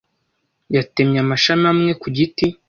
Yatemye amashami amwe ku giti.